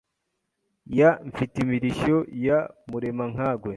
Ya Mfitimirishyo ya Muremankagwe